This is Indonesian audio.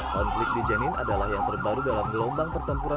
konflik di jenin adalah yang terbaru dalam gelombang pertempuran